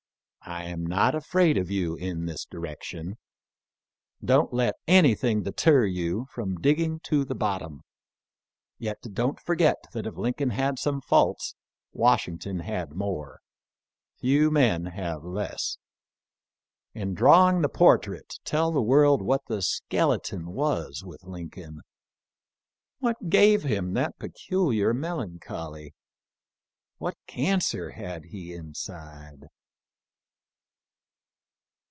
I am PREFACE. ix not afraid of you in this direction. Don't let any thing deter you from digging to the bottom ; yet don't forget that if Lincoln had some faults, Wash ington had more — few men have less. In drawing the portrait tell the world what the skeleton was with Lincoln. What gave him that peculiar mel ancholy? What cancer had he inside?